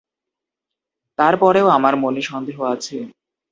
তার পরেও আমার মনে সন্দেহ আছে।